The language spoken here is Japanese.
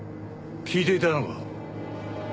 聞いていたのか。